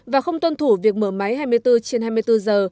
và không tuân thủ việc mở máy hai mươi bốn trên hai mươi bốn giờ